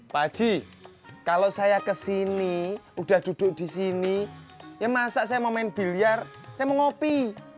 pak haji kalau saya kesini udah duduk di sini ya masa saya mau main biliar saya mau ngopi